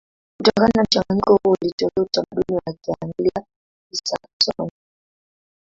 Kutokana na mchanganyiko huo ulitokea utamaduni wa Kianglia-Kisaksoni.